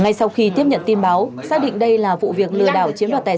ngay sau khi tiếp nhận tin báo xác định đây là vụ việc lừa đảo chiếm đoạt tài sản